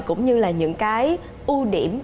cũng như những ưu điểm